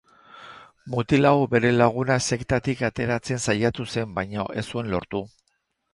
Mutil hau bere laguna sektatik ateratzen saiatu zen, baina ez zuen lortu.